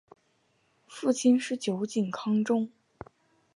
父亲是酒井康忠。